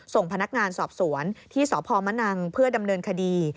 ส่งพนักงานสอบสวนที่สพมนังเพื่อดำเนินคดี